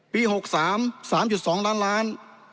๖๓๓๒ล้านล้าน